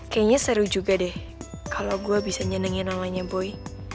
kayaknya seru juga deh kalau gue bisa nyenengin namanya boy